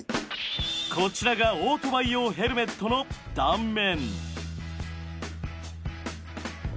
こちらがオートバイ用ヘルメットの断面。